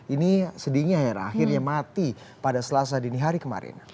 ini sedihnya hera akhirnya mati pada selasa dini hari kemarin